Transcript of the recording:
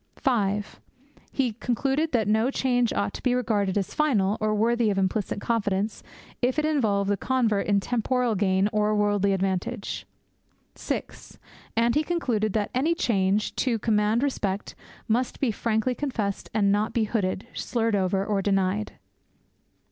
(5) He concluded that no change ought to be regarded as final or worthy of implicit confidence if it involved the convert in temporal gain or worldly advantage. (6) And he concluded that any change, to command respect, must be frankly confessed, and not be hooded, slurred over, or denied.